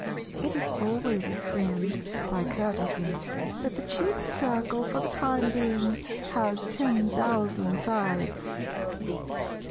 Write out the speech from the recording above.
It is always assumed, by courtesy, that the Chief Circle for the time being has ten thousand sides.